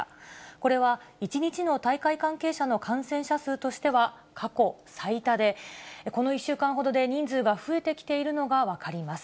これは、１日の大会関係者の感染者数としては、過去最多で、この１週間ほどで人数が増えてきているのが分かります。